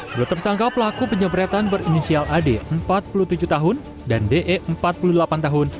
dua tersangka pelaku penyebretan berinisial ad empat puluh tujuh tahun dan de empat puluh delapan tahun